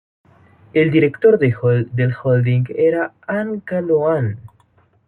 El director del Holding era Anca Ioan.